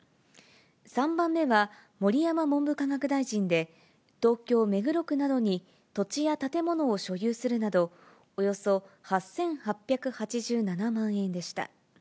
３番目は盛山文部科学大臣で、東京・目黒区などに土地や建物を所有するなど、およそ８８８７万円でした。